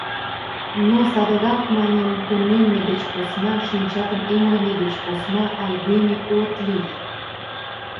Но садыгак, маньым, тунемме деч посна, шинчатым эмлыме деч посна айдеме от лий...